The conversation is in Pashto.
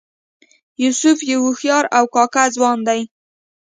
یوسف یو هوښیار او کاکه ځوان دی.